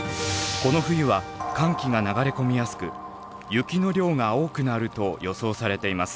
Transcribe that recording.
この冬は寒気が流れ込みやすく雪の量が多くなると予想されています。